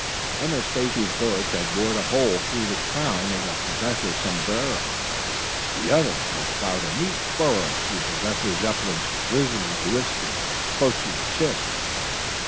One of Stacy's bullets had bored a hole through the crown of the professor's sombrero. The other had plowed a neat furrow through Professor Zepplin's grizzled whiskers, close to the chin.